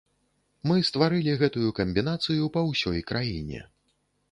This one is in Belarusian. Мы стварылі гэтую камбінацыю па ўсёй краіне.